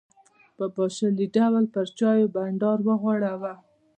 په پاشلي ډول پر چایو بانډار وغوړاوه.